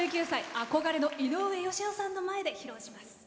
憧れの井上芳雄さんの前で披露します。